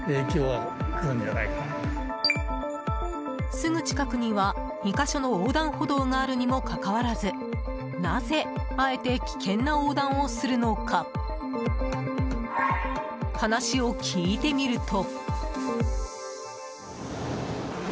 すぐ近くには、２か所の横断歩道があるにもかかわらずなぜあえて危険な横断をするのか話を聞いてみると。